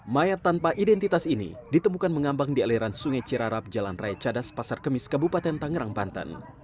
mayat tanpa identitas ini ditemukan mengambang di aliran sungai cirarap jalan raya cadas pasar kemis kabupaten tangerang banten